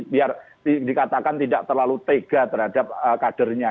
biar dikatakan tidak terlalu tega terhadap kadernya